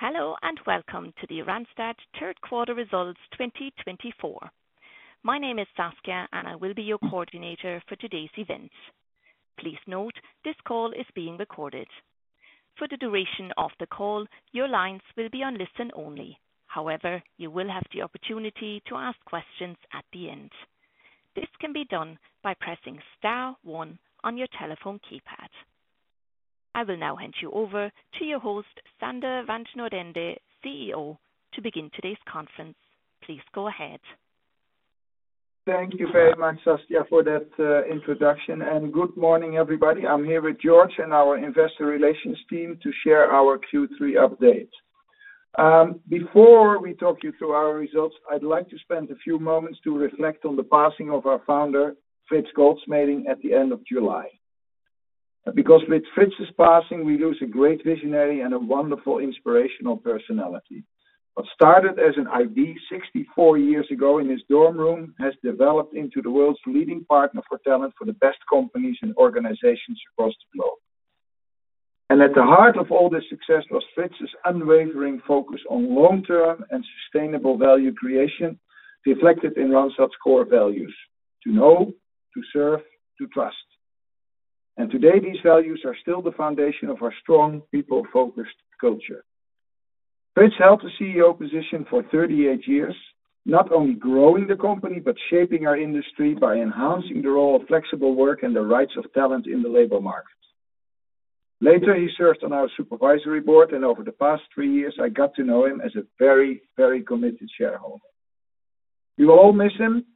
Hello, and welcome to the Randstad Third Quarter Results 2024. My name is Saskia, and I will be your coordinator for today's event. Please note, this call is being recorded. For the duration of the call, your lines will be on listen only. However, you will have the opportunity to ask questions at the end. This can be done by pressing star one on your telephone keypad. I will now hand you over to your host, Sander van 't Noordende, CEO, to begin today's conference. Please go ahead. Thank you very much, Saskia, for that introduction, and good morning, everybody. I'm here with Jorge and our investor relations team to share our Q3 update. Before we talk you through our results, I'd like to spend a few moments to reflect on the passing of our founder, Frits Goldschmeding, at the end of July. Because with Frits's passing, we lose a great visionary and a wonderful inspirational personality. What started as an idea 64 years ago in his dorm room has developed into the world's leading Partner for Talent for the best companies and organizations across the globe. And at the heart of all this success was Frits's unwavering focus on long-term and sustainable value creation, reflected in Randstad's core values: to know, to serve, to trust. And today, these values are still the foundation of our strong, people-focused culture. Frits held the CEO position for 38 years, not only growing the company, but shaping our industry by enhancing the role of flexible work and the rights of talent in the labor market. Later, he served on our supervisory board, and over the past three years, I got to know him as a very, very committed shareholder. We will all miss him.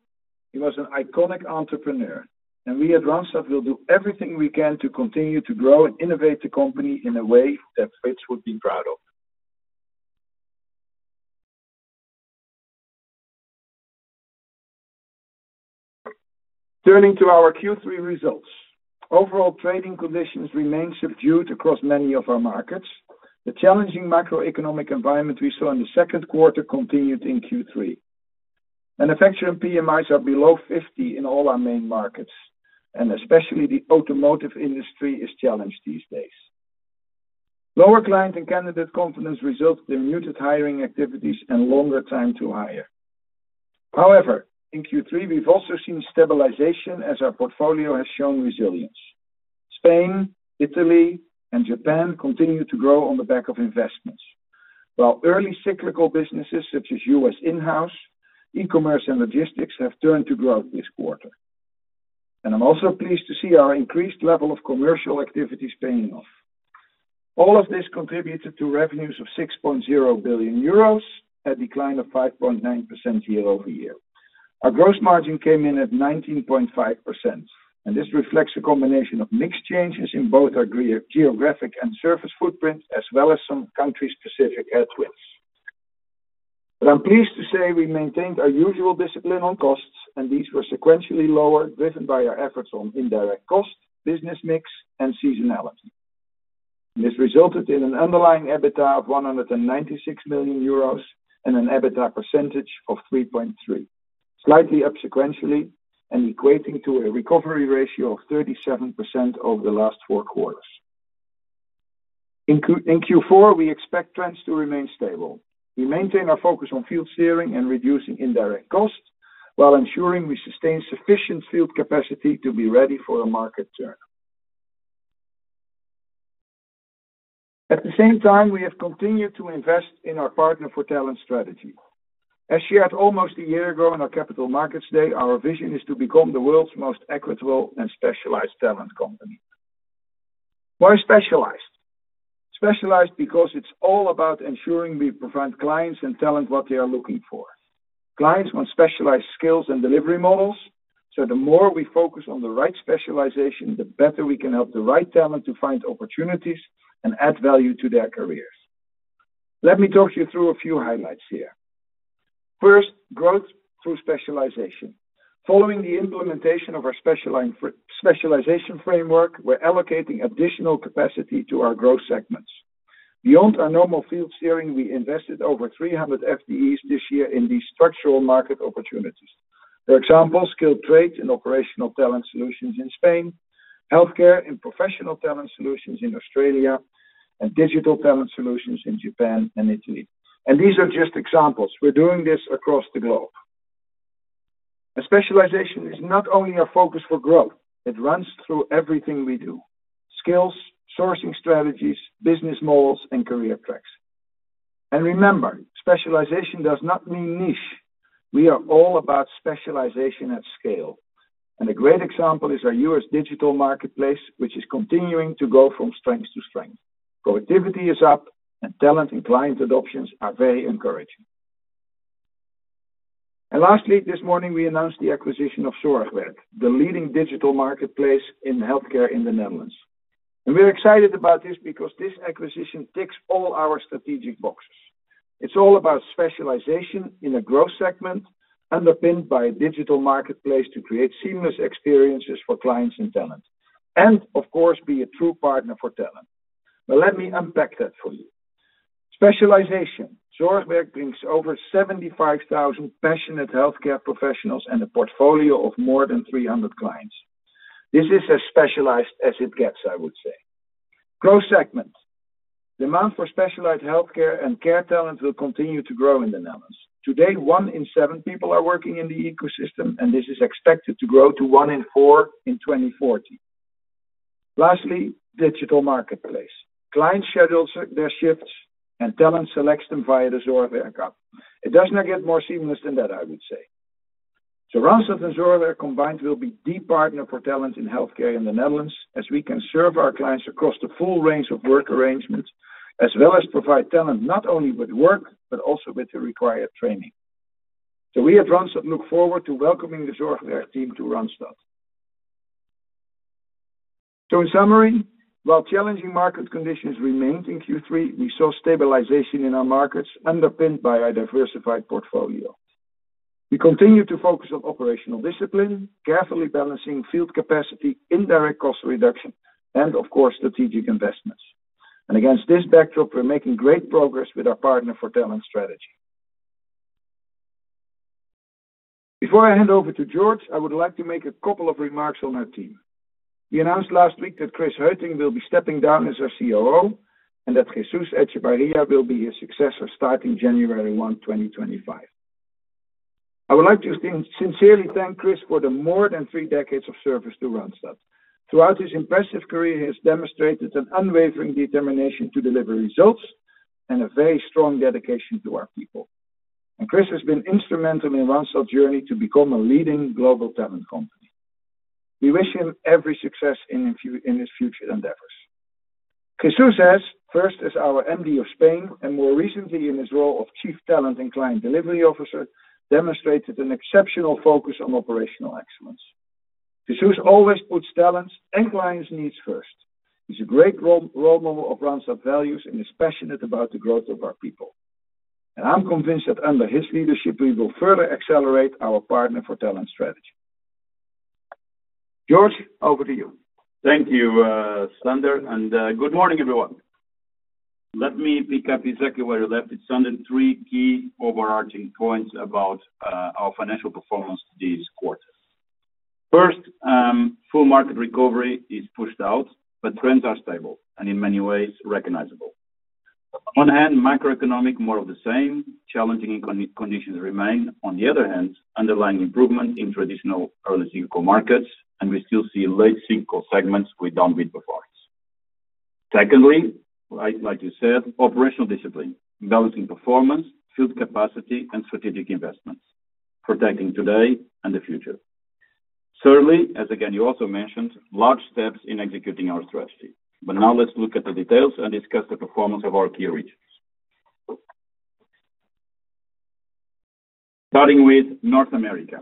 He was an iconic entrepreneur, and we at Randstad will do everything we can to continue to grow and innovate the company in a way that Frits would be proud of. Turning to our Q3 results. Overall, trading conditions remain subdued across many of our markets. The challenging macroeconomic environment we saw in the second quarter continued in Q3. Manufacturing PMIs are below 50 in all our main markets, and especially the automotive industry is challenged these days. Lower client and candidate confidence results in muted hiring activities and longer time to hire. However, in Q3, we've also seen stabilization as our portfolio has shown resilience. Spain, Italy, and Japan continue to grow on the back of investments, while early cyclical businesses such as U.S. Inhouse, e-commerce and logistics have turned to growth this quarter, and I'm also pleased to see our increased level of commercial activities paying off. All of this contributed to revenues of 6.0 billion euros, a decline of 5.9% year-over-year. Our gross margin came in at 19.5%, and this reflects a combination of mix changes in both our geographic and service footprint, as well as some country-specific headwinds. But I'm pleased to say we maintained our usual discipline on costs, and these were sequentially lower, driven by our efforts on indirect costs, business mix, and seasonality. This resulted in an underlying EBITDA of 196 million euros and an EBITDA percentage of 3.3%, slightly up sequentially and equating to a recovery ratio of 37% over the last four quarters. In Q4, we expect trends to remain stable. We maintain our focus on field steering and reducing indirect costs while ensuring we sustain sufficient field capacity to be ready for a market turn. At the same time, we have continued to invest in our Partner for Talent strategy. As shared almost a year ago in our Capital Markets Day, our vision is to become the world's most equitable and specialized talent company. Why specialized? Specialized because it's all about ensuring we provide clients and talent what they are looking for. Clients want specialized skills and delivery models, so the more we focus on the right specialization, the better we can help the right talent to find opportunities and add value to their careers. Let me talk you through a few highlights here. First, growth through specialization. Following the implementation of our specialization framework, we're allocating additional capacity to our growth segments. Beyond our normal field steering, we invested over 300 FTEs this year in these structural market opportunities. For example, skilled trades and Operational Talent Solutions in Spain, healthcare and Professional Talent Solutions in Australia, and Digital Talent Solutions in Japan and Italy. And these are just examples. We're doing this across the globe. A specialization is not only a focus for growth; it runs through everything we do: skills, sourcing strategies, business models, and career tracks. And remember, specialization does not mean niche. We are all about specialization at scale, and a great example is our U.S. digital marketplace, which is continuing to go from strength to strength. Productivity is up, and talent and client adoptions are very encouraging. And lastly, this morning, we announced the acquisition of Zorgwerk, the leading digital marketplace in healthcare in the Netherlands. And we're excited about this because this acquisition ticks all our strategic boxes. It's all about specialization in a growth segment, underpinned by a digital marketplace to create seamless experiences for clients and talent, and of course, be a true Partner for Talent. But let me unpack that for you. Specialization. Zorgwerk brings over 75,000 passionate healthcare professionals and a portfolio of more than 300 clients. This is as specialized as it gets, I would say. Growth segment. Demand for specialized healthcare and care talent will continue to grow in the Netherlands. Today, one in seven people are working in the ecosystem, and this is expected to grow to one in four in 2040. Lastly, digital marketplace. Clients schedule their shifts, and talent selects them via the Zorgwerk account. It does not get more seamless than that, I would say. So Randstad and Zorgwerk combined will be the Partner for Talent in healthcare in the Netherlands, as we can serve our clients across the full range of work arrangements, as well as provide talent, not only with work, but also with the required training. So we at Randstad look forward to welcoming the Zorgwerk team to Randstad. In summary, while challenging market conditions remained in Q3, we saw stabilization in our markets, underpinned by our diversified portfolio. We continue to focus on operational discipline, carefully balancing field capacity, indirect cost reduction, and of course, strategic investments. And against this backdrop, we're making great progress with our Partner for Talent strategy. Before I hand over to Jorge, I would like to make a couple of remarks on our team. We announced last week that Chris Heutink will be stepping down as our COO, and that Jesús Echevarria will be his successor, starting January 1, 2025. I would like to sincerely thank Chris for the more than three decades of service to Randstad. Throughout his impressive career, he has demonstrated an unwavering determination to deliver results and a very strong dedication to our people. Chris has been instrumental in Randstad journey to become a leading global talent company. We wish him every success in his future endeavors. Jesús has, first as our MD of Spain, and more recently in his role of Chief Talent and Client Delivery Officer, demonstrated an exceptional focus on operational excellence. Jesús always puts talents and clients' needs first. He's a great role model of Randstad values and is passionate about the growth of our people. I'm convinced that under his leadership, we will further accelerate our Partner for Talent strategy. Jorge, over to you. Thank you, Sander, and good morning, everyone. Let me pick up exactly where you left it, Sander. Three key overarching points about our financial performance this quarter. First, full market recovery is pushed out, but trends are stable and in many ways recognizable. On one hand, macroeconomic, more of the same, challenging economic conditions remain. On the other hand, underlying improvement in traditional early cycle markets, and we still see late cycle segments with downbeat performance. Secondly, like you said, operational discipline, balancing performance, field capacity, and strategic investments, protecting today and the future. Thirdly, as again, you also mentioned, large steps in executing our strategy. But now let's look at the details and discuss the performance of our key regions. Starting with North America,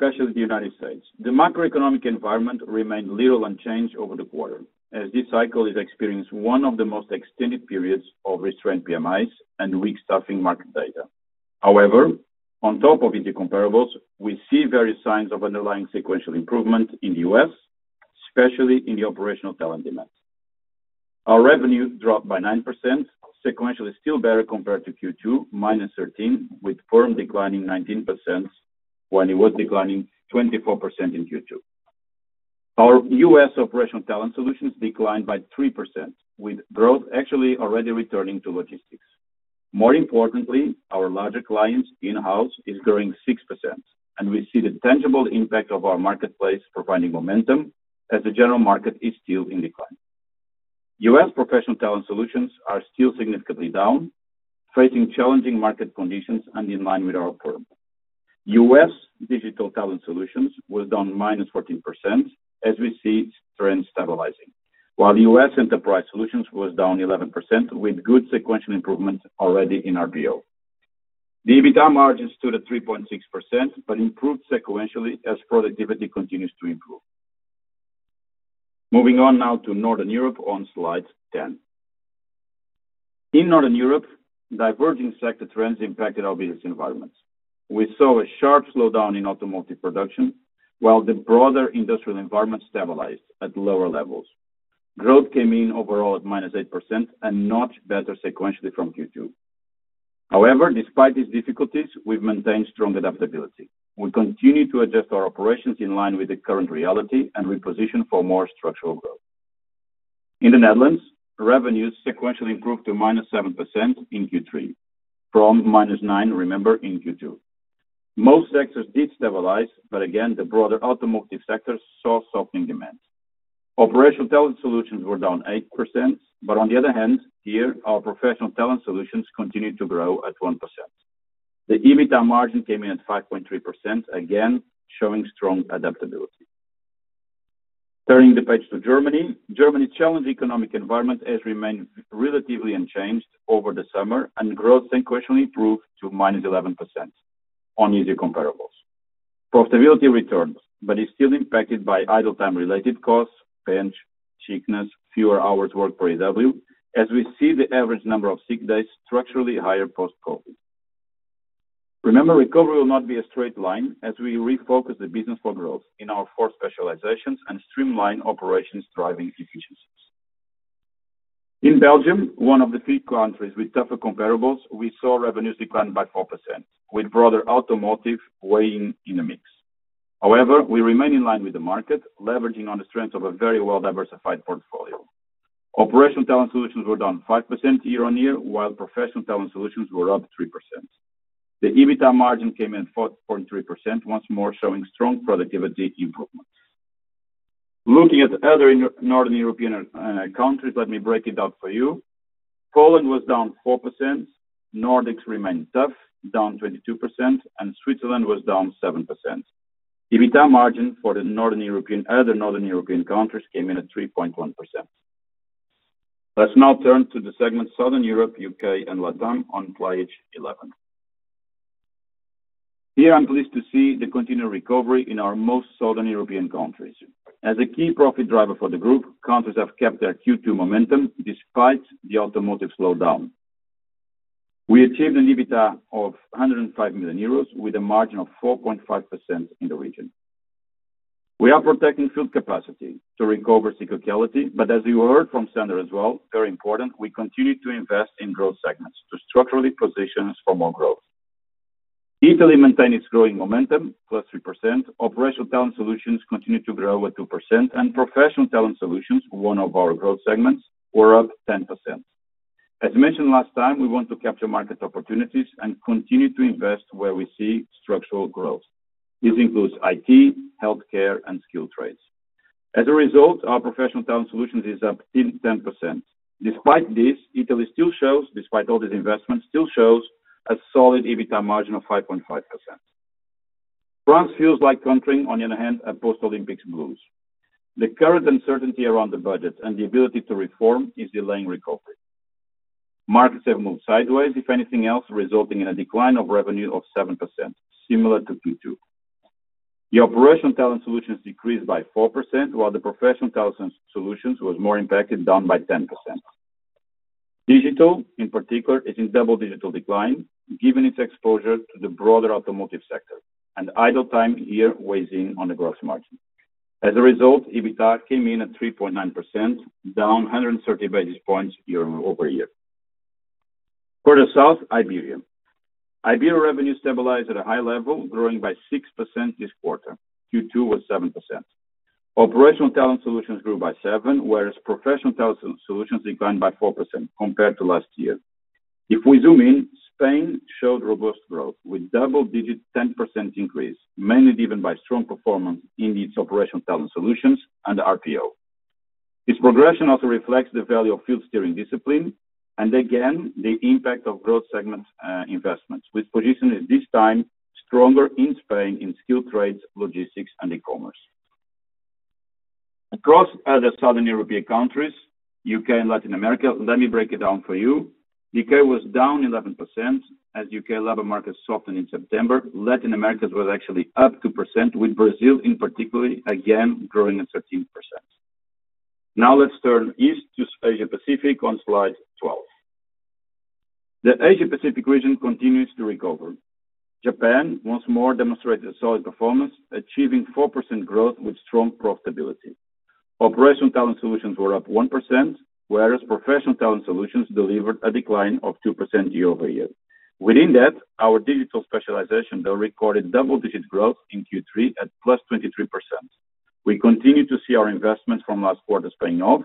especially the United States. The macroeconomic environment remained largely unchanged over the quarter, as this cycle has experienced one of the most extended periods of restrained PMIs and weak staffing market data. However, on top of the comparables, we see various signs of underlying sequential improvement in the U.S., especially in the operational talent demands. Our revenue dropped by 9%, sequentially still better compared to Q2, -13%, with firm declining 19%, when it was declining 24% in Q2. Our U.S. Operational Talent Solutions declined by 3%, with growth actually already returning to logistics. More importantly, our larger clients Inhouse is growing 6%, and we see the tangible impact of our marketplace providing momentum as the general market is still in decline. U.S. Professional Talent Solutions are still significantly down, facing challenging market conditions and in line with our firm. U.S. Digital Talent Solutions was down -14%, as we see trends stabilizing, while U.S. Enterprise was -11%, with good sequential improvement already in RPO. The EBITDA margin stood at 3.6%, but improved sequentially as productivity continues to improve. Moving on now to Northern Europe on Slide 10. In Northern Europe, diverging sector trends impacted our business environments. We saw a sharp slowdown in automotive production, while the broader industrial environment stabilized at lower levels. Growth came in overall at -8% and not better sequentially from Q2. However, despite these difficulties, we've maintained strong adaptability. We continue to adjust our operations in line with the current reality and reposition for more structural growth. In the Netherlands, revenues sequentially improved to -7% in Q3 from -9%, remember, in Q2. Most sectors did stabilize, but again, the broader automotive sector saw softening demands. Operational Talent Solutions were down 8%, but on the other hand, here, our Professional Talent Solutions continued to grow at 1%. The EBITDA margin came in at 5.3%, again, showing strong adaptability. Turning the page to Germany. Germany's challenged economic environment has remained relatively unchanged over the summer, and growth sequentially improved to -11% on easy comparables. Profitability returns, but is still impacted by idle time-related costs, bench, sickness, fewer hours worked per EW, as we see the average number of sick days structurally higher post-COVID. Remember, recovery will not be a straight line as we refocus the business for growth in our four specializations and streamline operations, driving efficiency. In Belgium, one of the key countries with tougher comparables, we saw revenues decline by 4%, with broader automotive weighing in the mix. However, we remain in line with the market, leveraging on the strength of a very well-diversified portfolio. Operational Talent Solutions were down 5% year-on-year, while Professional Talent Solutions were up 3%. The EBITDA margin came in 4.3%, once more showing strong productivity improvements. Looking at other Northern European countries, let me break it down for you. Poland was down 4%, Nordics remained tough, down 22%, and Switzerland was down 7%. EBITDA margin for the other Northern European countries came in at 3.1%. Let's now turn to the segment Southern Europe, U.K., and LATAM on Slide 11. Here, I'm pleased to see the continued recovery in our most southern European countries. As a key profit driver for the group, countries have kept their Q2 momentum despite the automotive slowdown. We achieved an EBITDA of 105 million euros, with a margin of 4.5% in the region. We are protecting field capacity to recover cyclicality, but as you heard from Sander as well, very important, we continue to invest in growth segments to structurally position us for more growth. Italy maintained its growing momentum, +3%. Operational Talent Solutions continued to grow at 2%, and Professional Talent Solutions, one of our growth segments, were up 10%. As mentioned last time, we want to capture market opportunities and continue to invest where we see structural growth. This includes IT, healthcare, and skilled trades. As a result, our Professional Talent Solutions is up 10%. Despite this, Italy still shows, despite all these investments, still shows a solid EBITDA margin of 5.5%. France, the country, on the other hand, a post-Olympics blues. The current uncertainty around the budget and the ability to reform is delaying recovery. Markets have moved sideways, if anything else, resulting in a decline of revenue of 7%, similar to Q2. The Operational Talent Solutions decreased by 4%, while the Professional Talent Solutions was more impacted, down by 10%. Digital, in particular, is in double-digit decline, given its exposure to the broader automotive sector, and idle time here weighs in on the gross margin. As a result, EBITDA came in at 3.9%, down 130 basis points year-over-year. Further south, Iberia. Iberia revenue stabilized at a high level, growing by 6% this quarter. Q2 was 7%. Operational Talent Solutions grew by 7%, whereas Professional Talent Solutions declined by 4% compared to last year. If we zoom in, Spain showed robust growth with double-digit 10% increase, mainly driven by strong performance in its Operational Talent Solutions and RPO. This progression also reflects the value of field steering discipline, and again, the impact of growth segment investments, with positioning this time stronger in Spain in skilled trades, logistics, and e-commerce. Across other Southern European countries, U.K. and Latin America, let me break it down for you. U.K. was down 11%, as U.K. labor market softened in September. Latin America was actually up 2%, with Brazil, in particular, again, growing at 13%. Now, let's turn east to Asia-Pacific on Slide 12. The Asia-Pacific region continues to recover. Japan once more demonstrated a solid performance, achieving 4% growth with strong profitability. Operational Talent Solutions were up 1%, whereas Professional Talent Solutions delivered a decline of 2% year-over-year. Within that, our digital specialization, though, recorded double-digit growth in Q3 at +23%. We continue to see our investments from last quarter paying off,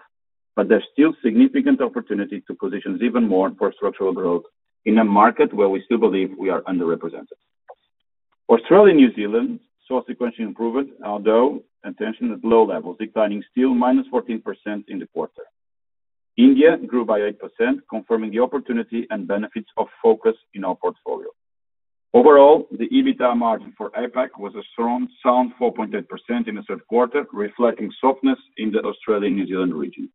but there's still significant opportunity to position even more for structural growth in a market where we still believe we are underrepresented. Australia and New Zealand saw sequential improvement, although at low levels, declining still -14% in the quarter. India grew by 8%, confirming the opportunity and benefits of focus in our portfolio. Overall, the EBITDA margin for APAC was a strong, sound 4.8% in the third quarter, reflecting softness in the Australia, New Zealand region.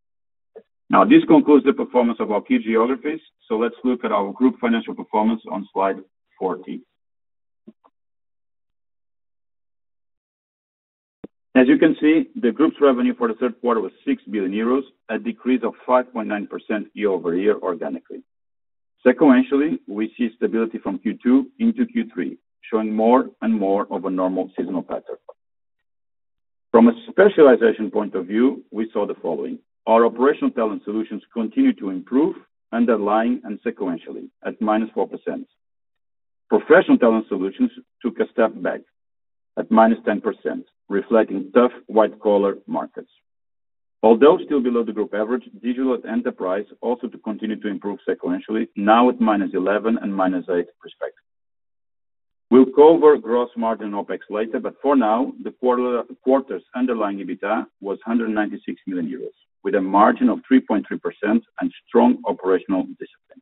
Now, this concludes the performance of our key geographies, so let's look at our group financial performance on Slide 14. As you can see, the group's revenue for the third quarter was 6 billion euros, a decrease of 5.9% year-over-year organically. Sequentially, we see stability from Q2 into Q3, showing more and more of a normal seasonal pattern. From a specialization point of view, we saw the following: Our Operational Talent Solutions continued to improve, underlying and sequentially, at -4%. Professional Talent Solutions took a step back at -10%, reflecting tough white-collar markets. Although still below the group average, Digital and Enterprise also continued to improve sequentially, now at -11% and -8%, respectively. We'll go over gross margin OpEx later, but for now, the quarter's underlying EBITDA was 196 million euros, with a margin of 3.3% and strong operational discipline.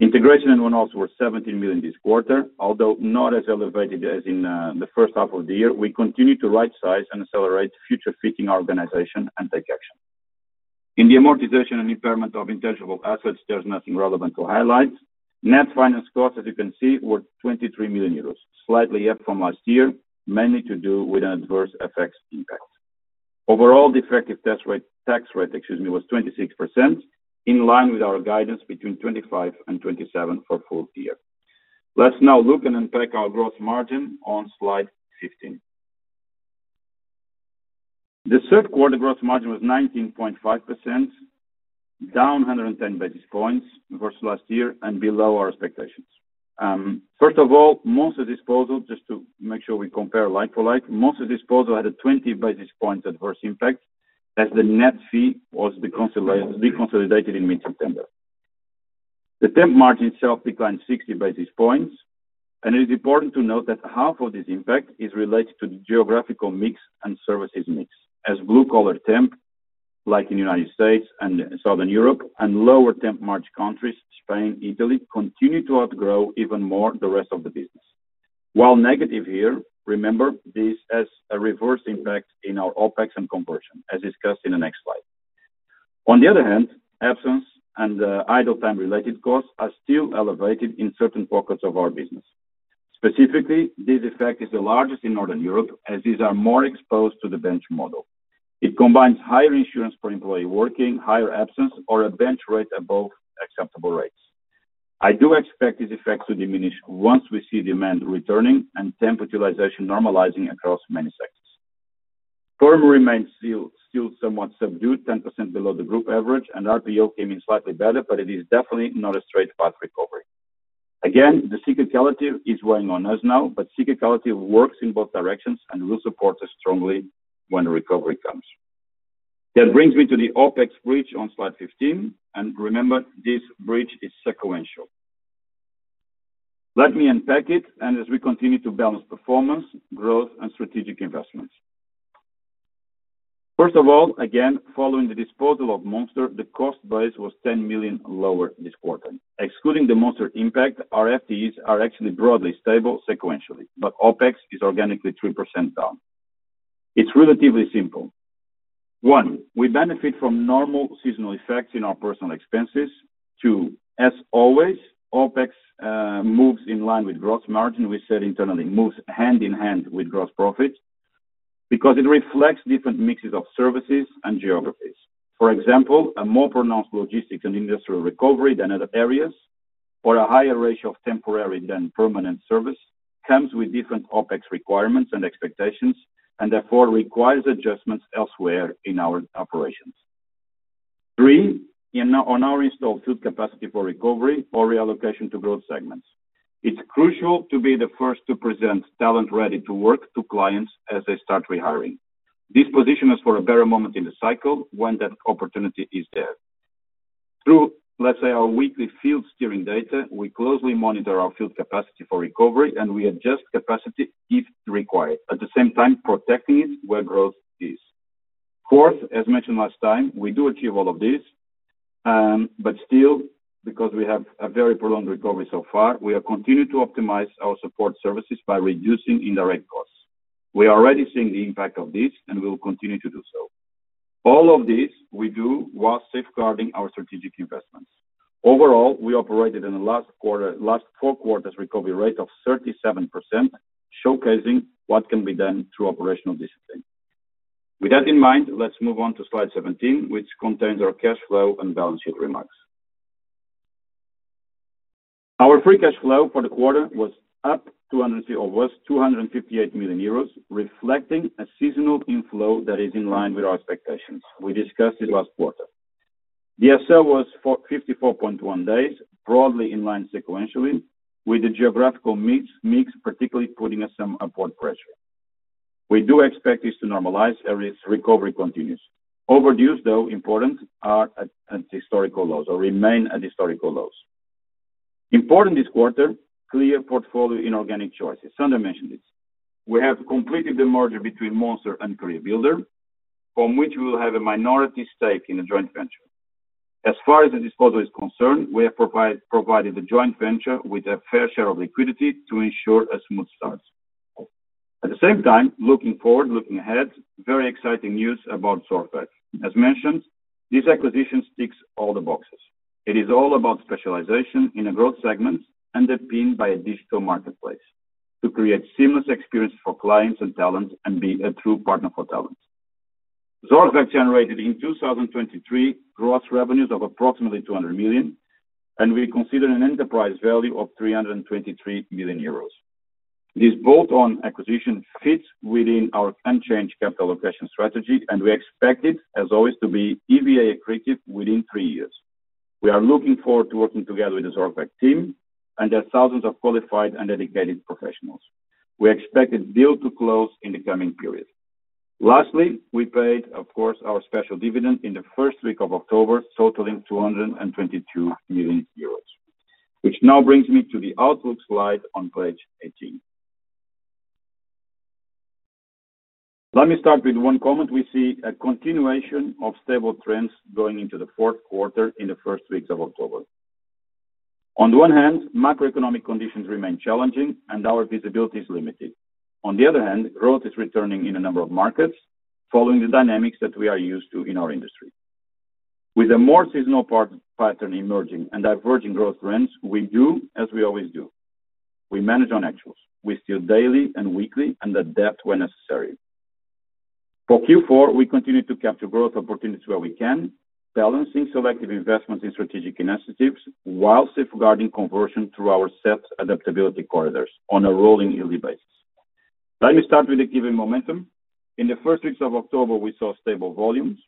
Integration and one-offs were 17 million this quarter, although not as elevated as in the first half of the year. We continue to rightsize and accelerate future-fitting organization and take action. In the amortization and impairment of intangible assets, there's nothing relevant to highlight. Net finance costs, as you can see, were 23 million euros, slightly up from last year, mainly to do with adverse FX impacts. Overall, the effective tax rate, tax rate, excuse me, was 26%, in line with our guidance between 25% and 27% for full year. Let's now look and unpack our gross margin on Slide 15. The third quarter gross margin was 19.5%, down 110 basis points versus last year and below our expectations. First of all, Monster disposal, just to make sure we compare like for like, Monster disposal had a 20 basis points adverse impact, as the net fee was reconsolidated in mid-September. The temp margin itself declined 60 basis points, and it is important to note that half of this impact is related to the geographical mix and services mix. As blue collar temp, like in United States and Southern Europe, and lower temp margin countries, Spain, Italy, continue to outgrow even more the rest of the business. While negative here, remember, this has a reverse impact in our OpEx and conversion, as discussed in the next slide. On the other hand, absence and idle time-related costs are still elevated in certain pockets of our business. Specifically, this effect is the largest in Northern Europe, as these are more exposed to the bench model. It combines higher insurance per employee working, higher absence or a bench rate above acceptable rates. I do expect this effect to diminish once we see demand returning and temp utilization normalizing across many sectors. Firm remains still, still somewhat subdued, 10% below the group average, and RPO came in slightly better, but it is definitely not a straight path recovery. Again, the cyclicality is wearing on us now, but cyclicality works in both directions and will support us strongly when recovery comes. That brings me to the OpEx bridge on Slide 15, and remember, this bridge is sequential. Let me unpack it, and as we continue to balance performance, growth, and strategic investments. First of all, again, following the disposal of Monster, the cost base was 10 million lower this quarter. Excluding the Monster impact, our FTEs are actually broadly stable sequentially, but OpEx is organically 3% down. It's relatively simple. One, we benefit from normal seasonal effects in our personnel expenses. Two, as always, OpEx moves in line with gross margin. We said internally, moves hand in hand with gross profit because it reflects different mixes of services and geographies. For example, a more pronounced logistics and industrial recovery than other areas, or a higher ratio of temporary than permanent service, comes with different OpEx requirements and expectations, and therefore requires adjustments elsewhere in our operations. Three, on our installed field capacity for recovery or reallocation to growth segments. It's crucial to be the first to present talent ready to work to clients as they start rehiring. This positions us for a better moment in the cycle when that opportunity is there. Through, let's say, our weekly field steering data, we closely monitor our field capacity for recovery, and we adjust capacity if required, at the same time protecting it where growth is. Fourth, as mentioned last time, we do achieve all of this, but still, because we have a very prolonged recovery so far, we have continued to optimize our support services by reducing indirect costs. We are already seeing the impact of this, and we will continue to do so. All of this we do while safeguarding our strategic investments. Overall, we operated in the last quarter, last four quarters recovery rate of 37%, showcasing what can be done through operational discipline. With that in mind, let's move on to Slide 17, which contains our cash flow and balance sheet remarks. Our free cash flow for the quarter was 258 million euros, reflecting a seasonal inflow that is in line with our expectations. We discussed it last quarter. DSO was 54.1 days, broadly in line sequentially, with the geographical mix particularly putting us some upward pressure. We do expect this to normalize as recovery continues. Overdues, though important, remain at historical lows. Important this quarter, clear portfolio inorganic choices. Sander mentioned this. We have completed the merger between Monster and CareerBuilder, from which we will have a minority stake in a joint venture. As far as the disposal is concerned, we have provided the joint venture with a fair share of liquidity to ensure a smooth start. At the same time, looking forward, very exciting news about Zorgwerk. As mentioned, this acquisition ticks all the boxes. It is all about specialization in a growth segment and then pinned by a digital marketplace to create seamless experience for clients and talent and be a true Partner for Talent. Zorgwerk generated in 2023 gross revenues of approximately 200 million, and we consider an enterprise value of 323 million euros. This bolt-on acquisition fits within our unchanged capital allocation strategy, and we expect it, as always, to be EVA accretive within 3 years. We are looking forward to working together with the Zorgwerk team and their thousands of qualified and dedicated professionals. We expect the deal to close in the coming period. Lastly, we paid, of course, our special dividend in the first week of October, totaling 222 million euros. Which now brings me to the outlook slide on page 18. Let me start with one comment. We see a continuation of stable trends going into the fourth quarter in the first weeks of October. On the one hand, macroeconomic conditions remain challenging and our visibility is limited. On the other hand, growth is returning in a number of markets following the dynamics that we are used to in our industry. With a more seasonal pattern emerging and diverging growth trends, we do as we always do. We manage on actuals. We steer daily and weekly, and adapt when necessary. For Q4, we continue to capture growth opportunities where we can, balancing selective investments in strategic initiatives while safeguarding conversion through our set adaptability corridors on a rolling yearly basis. Let me start with the given momentum. In the first weeks of October, we saw stable volumes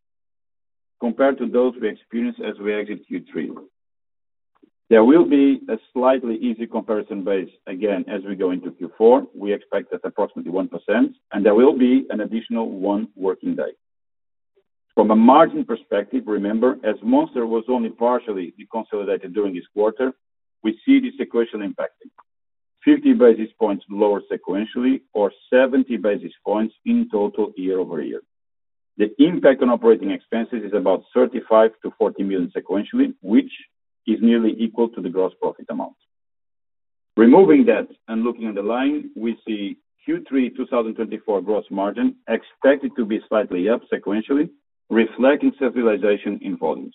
compared to those we experienced as we exit Q3. There will be a slightly easier comparison base again as we go into Q4. We expect that approximately 1%, and there will be an additional one working day. From a margin perspective, remember, as Monster was only partially deconsolidated during this quarter, we see this deconsolidation impacting 50 basis points lower sequentially, or 70 basis points in total year-over-year. The impact on operating expenses is about 35 million-40 million sequentially, which is nearly equal to the gross profit amount. Removing that and looking at the line, we see Q3 2024 gross margin expected to be slightly up sequentially, reflecting stabilization in volumes.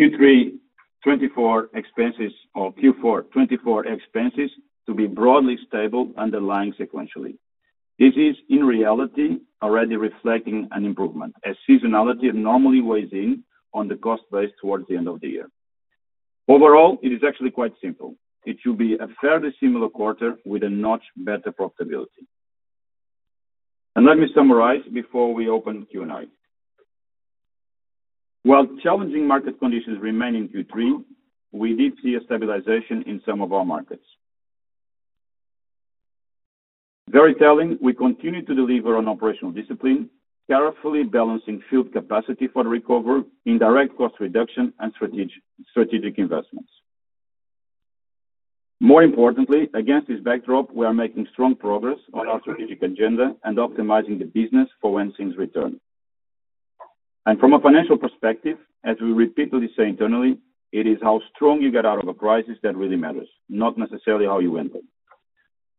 Q3 2024 expenses or Q4 2024 expenses to be broadly stable underlying sequentially. This is, in reality, already reflecting an improvement, as seasonality normally weighs in on the cost base towards the end of the year. Overall, it is actually quite simple. It should be a fairly similar quarter with a notch better profitability. And let me summarize before we open the Q&A. While challenging market conditions remain in Q3, we did see a stabilization in some of our markets. Very telling, we continue to deliver on operational discipline, carefully balancing field capacity for recovery, indirect cost reduction, and strategic, strategic investments. More importantly, against this backdrop, we are making strong progress on our strategic agenda and optimizing the business for when things return. And from a financial perspective, as we repeatedly say internally, it is how strong you get out of a crisis that really matters, not necessarily how you end it.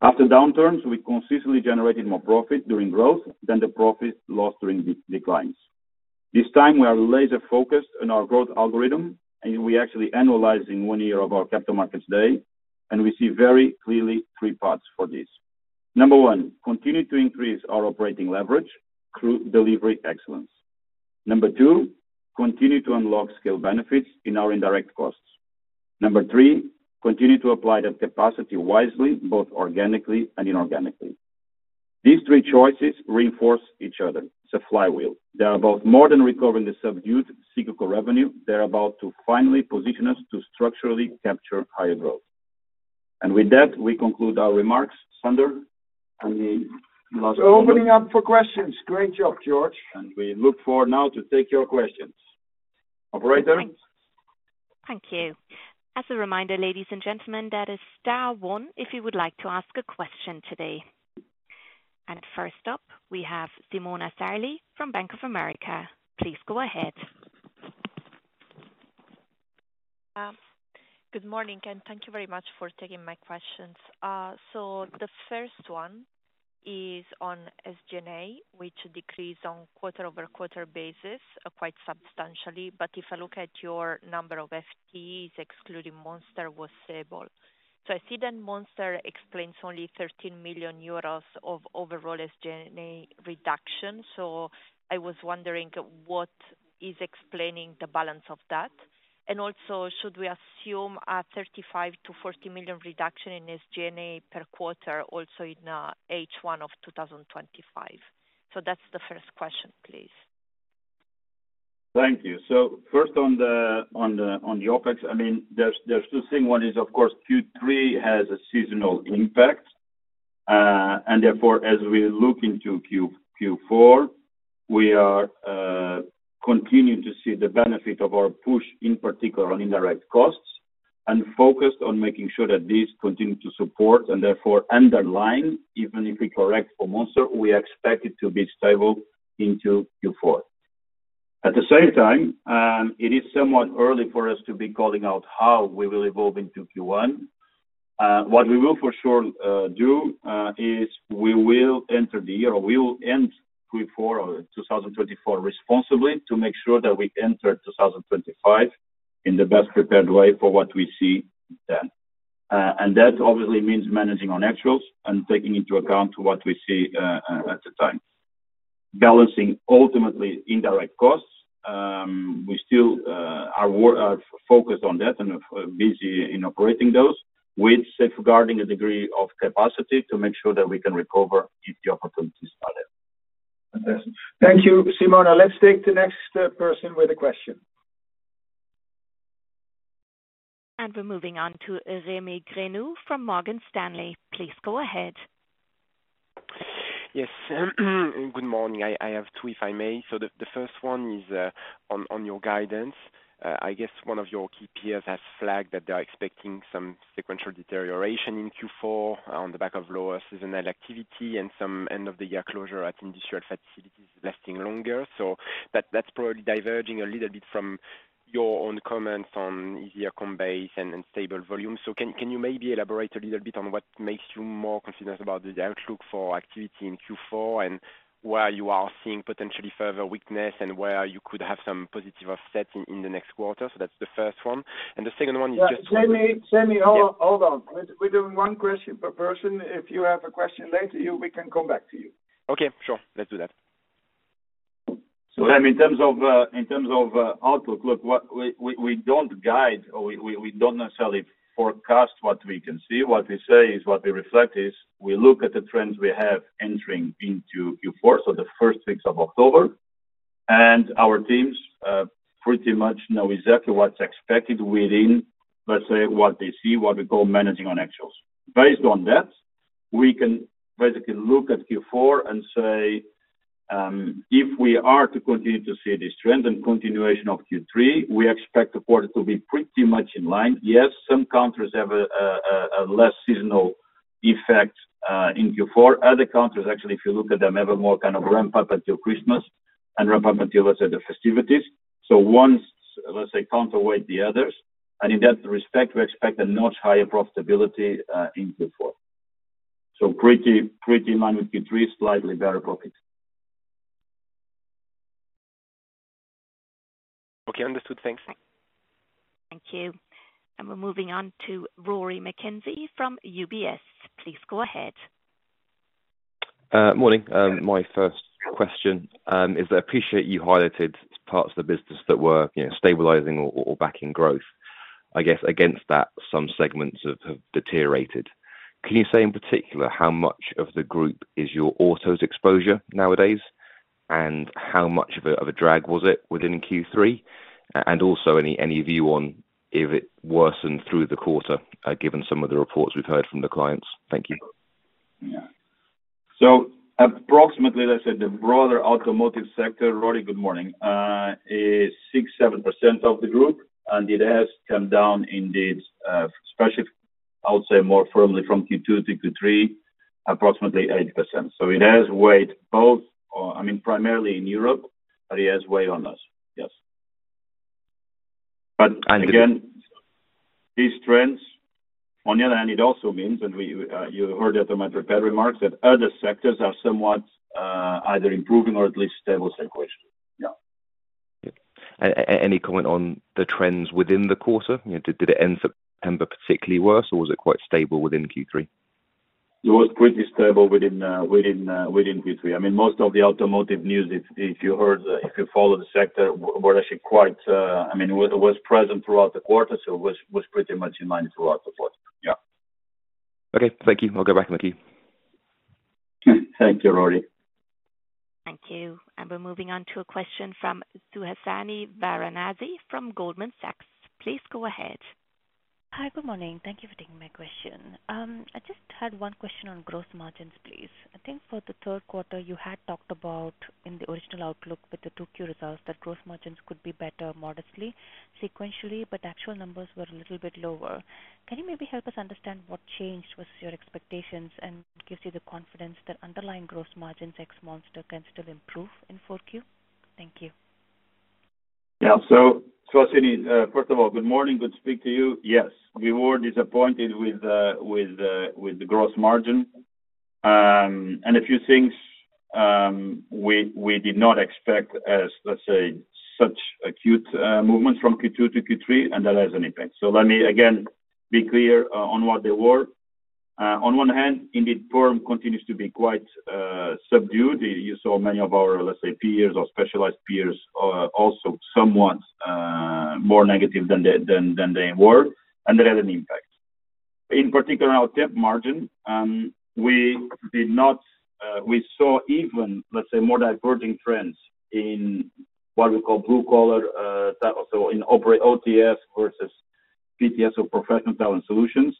After downturns, we consistently generated more profit during growth than the profit lost during declines. This time, we are laser focused on our growth algorithm, and we are actually analyzing one year of our Capital Markets Day, and we see very clearly three parts for this. Number one, continue to increase our operating leverage through delivery excellence. Number two, continue to unlock scale benefits in our indirect costs. Number three, continue to apply that capacity wisely, both organically and inorganically. These three choices reinforce each other. It's a flywheel. They are about more than recovering the subdued cyclical revenue. They're about to finally position us to structurally capture higher growth. And with that, we conclude our remarks. Sander, any last. We're opening up for questions. Great job, Jorge. We look forward now to take your questions. Operator? Thank you. As a reminder, ladies and gentlemen, that is star one, if you would like to ask a question today, and first up, we have Simona Sarli from Bank of America. Please go ahead. Good morning, and thank you very much for taking my questions. So the first one is on SG&A, which decreased on quarter over quarter basis, quite substantially. But if I look at your number of FTEs, excluding Monster, was stable. So I see that Monster explains only 13 million euros of overall SG&A reduction. So I was wondering what is explaining the balance of that? And also, should we assume a 35 million-40 million reduction in SG&A per quarter, also in H1 of 2025? So that's the first question, please. Thank you. So first on the OpEx, I mean, there's two things. One is, of course, Q3 has a seasonal impact, and therefore, as we look into Q4, we are continuing to see the benefit of our push, in particular on indirect costs, and focused on making sure that these continue to support and therefore underline, even if we correct for Monster, we expect it to be stable into Q4. At the same time, it is somewhat early for us to be calling out how we will evolve into Q1. What we will for sure do is we will enter the year, or we will end Q4 or 2024 responsibly to make sure that we enter 2025 in the best-prepared way for what we see then. And that obviously means managing our naturals and taking into account what we see at the time. Balancing ultimately indirect costs, we still are focused on that and busy in operating those, with safeguarding a degree of capacity to make sure that we can recover if the opportunities are there. Thank you, Simona. Let's take the next person with a question. And we're moving on to Rémy Grenu from Morgan Stanley. Please go ahead. Yes. Good morning. I have two, if I may. So the first one is on your guidance. I guess one of your key peers has flagged that they are expecting some sequential deterioration in Q4 on the back of lower seasonal activity and some end-of-the-year closure at industrial facilities lasting longer. So that's probably diverging a little bit from your own comments on easier compare and stable volume. So can you maybe elaborate a little bit on what makes you more confident about the outlook for activity in Q4, and where you are seeing potentially further weakness, and where you could have some positive offset in the next quarter? So that's the first one. And the second one is just. Rémy, Rémy, hold, hold on. Yep. We're doing one question per person. If you have a question later, we can come back to you. Okay, sure. Let's do that. So then in terms of outlook, what we don't guide or we don't necessarily forecast what we can see. What we say is what we reflect is, we look at the trends we have entering into Q4, so the first weeks of October, and our teams pretty much know exactly what's expected within, let's say, what we call managing on actuals. Based on that, we can basically look at Q4 and say, if we are to continue to see this trend and continuation of Q3, we expect the quarter to be pretty much in line. Yes, some countries have a less seasonal effect in Q4. Other countries, actually, if you look at them, have a more kind of ramp up until Christmas and ramp up until, let's say, the festivities. So once, let's say, counterweight the others, and in that respect, we expect a much higher profitability in Q4, so pretty much Q3, slightly better profits. Okay, understood. Thanks. Thank you. We're moving on to Rory McKenzie from UBS. Please go ahead. Morning. My first question is I appreciate you highlighted parts of the business that were, you know, stabilizing or backing growth. I guess against that, some segments have deteriorated. Can you say in particular, how much of the group is your autos exposure nowadays? And how much of a drag was it within Q3? And also, any view on if it worsened through the quarter, given some of the reports we've heard from the clients? Thank you. Yeah, so approximately, let's say, the broader automotive sector, Rory, good morning, is 6%-7% of the group, and it has come down indeed, especially, I would say more firmly from Q2 to Q3, approximately 8%. So it has weighed both, or, I mean, primarily in Europe, but it has weighed on us. Yes. But. And. Again, these trends, on the other hand, it also means, and we, you heard it in my prepared remarks, that other sectors are somewhat, either improving or at least stable sequenced. Yeah. Yeah. Any comment on the trends within the quarter? You know, did it end September particularly worse, or was it quite stable within Q3? It was pretty stable within Q3. I mean, most of the automotive news, if you heard, if you follow the sector, were actually quite, I mean, it was present throughout the quarter, so it was pretty much in line throughout the quarter. Yeah. Okay. Thank you. I'll go back on the queue. Thank you, Rory. Thank you. And we're moving on to a question from Suhasini Varanasi from Goldman Sachs. Please go ahead. Hi, good morning. Thank you for taking my question. I just had one question on gross margins, please. I think for the third quarter, you had talked about in the original outlook with the 2Q results, that gross margins could be better, modestly, sequentially, but actual numbers were a little bit lower. Can you maybe help us understand what changed with your expectations, and what gives you the confidence that underlying gross margins next months can still improve in 4Q? Thank you. Yeah. So, Suhasini, first of all, good morning. Good to speak to you. Yes, we were disappointed with the gross margin. And a few things, we did not expect as, let's say, such acute movement from Q2 to Q3, and that has an impact. So let me again be clear on what they were. On one hand, indeed, volume continues to be quite subdued. You saw many of our, let's say, peers or specialized peers, also somewhat more negative than they were, and that had an impact. In particular, our temp margin, we saw even, let's say, more diverging trends in what we call blue collar, so in OTS versus PTS or Professional Talent Solutions.